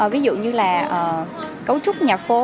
ví dụ như là cấu trúc nhà phố